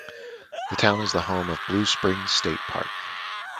The town is the home of Blue Springs State Park.